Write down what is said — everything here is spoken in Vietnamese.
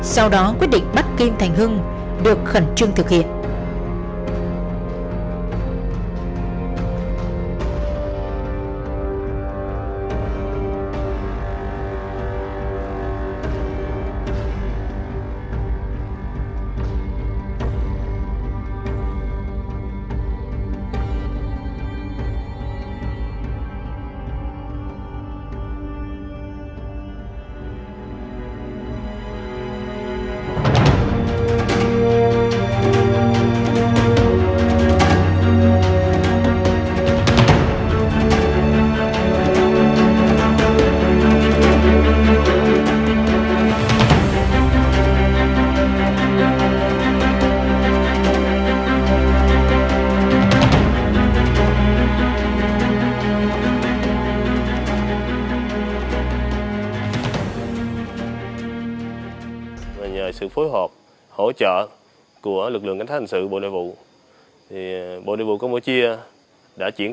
sau đó quyết định bắt kim thành hưng được khẩn trương thực hiện